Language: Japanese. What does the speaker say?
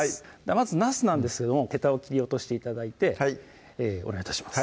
まずなすなんですけどもへたを切り落として頂いてお願い致します